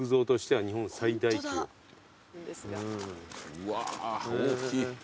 うわ大きい。